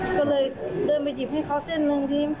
ก็เลยเดินไปหยิบให้เขาเส้นหนึ่งที